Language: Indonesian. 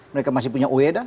mereka masih punya ueda